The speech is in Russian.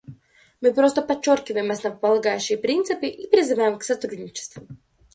Мы просто подчеркиваем основополагающие принципы и призываем к сотрудничеству.